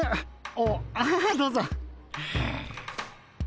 ああどうぞ。